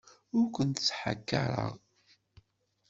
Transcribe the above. Ur kent-ttḥakaṛeɣ.